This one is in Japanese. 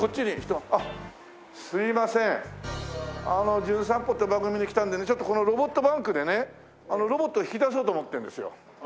『じゅん散歩』って番組で来たんでねちょっとこのロボットバンクでねロボットを引き出そうと思ってるんですよ。